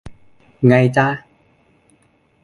ไงจ้ะ